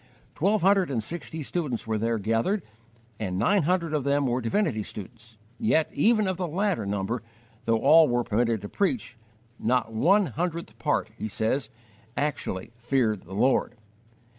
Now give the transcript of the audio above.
Twelve hundred and sixty students were there gathered, and nine hundred of them were divinity students, yet even of the latter number, though all were permitted to preach, not one hundredth part, he says, actually "feared the Lord."